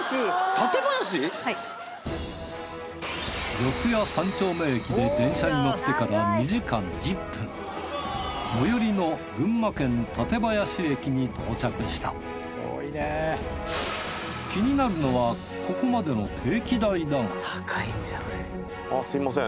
四谷三丁目駅で電車に乗ってから最寄りの群馬県館林駅に到着した気になるのはここまでの定期代だがすみません。